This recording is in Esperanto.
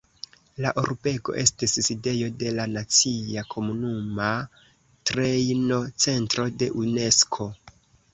La urbego estis sidejo de la Nacia Komunuma Trejnocentro de Unesko.